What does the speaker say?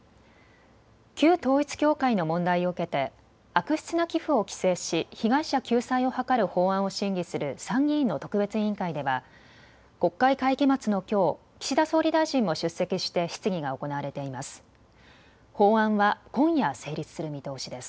旧統一教会の問題を受けて悪質な寄付を規制し被害者救済を図る法案を審議する参議院の特別委員会では国会会期末のきょう、岸田総理大臣も出席して質疑が行われています。